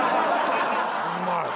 うまい！